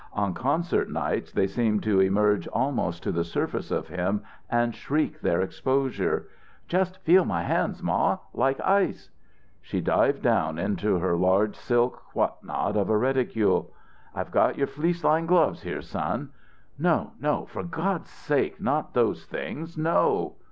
On concert nights they seemed to emerge almost to the surface of him and shriek their exposure. "Just feel my hands, ma. Like ice." She dived down into her large silk what not of a reticule. "I've got your fleece lined gloves here, son." "No no. For God's sake not those things! No!"